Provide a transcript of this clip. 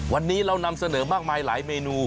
วันนี้เรานำเสนอมากมายหลายเมนู